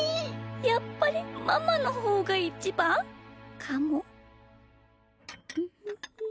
やっぱりママのほうがいちばん？かも。